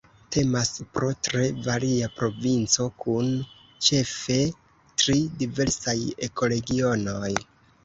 Temas pro tre varia provinco kun ĉefe tri diversaj ekoregionoj.